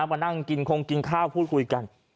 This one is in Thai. มานั่งกินคงกินข้าวพูดคุยกัน